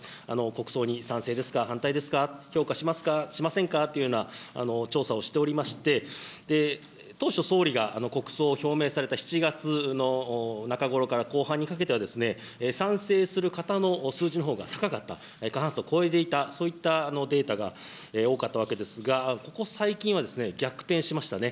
国葬に賛成ですか、反対ですか、評価しますか、しませんかというような調査をしておりまして、当初、総理が国葬を表明された７月の中頃から後半にかけては、賛成する方の数字のほうが高かった、過半数を超えていた、そういったデータが多かったわけですが、ここ最近は逆転しましたね。